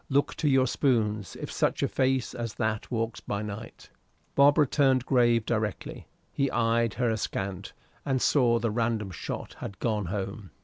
Look to your spoons, if such a face as that walks by night." Barbara turned grave directly; he eyed her askant, and saw the random shot had gone home.